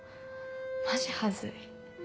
マジハズい。